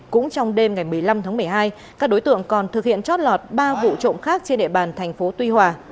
cũng trong đêm ngày một mươi năm tháng một mươi hai các đối tượng còn thực hiện chót lọt ba vụ trộm khác trên địa bàn thành phố tuy hòa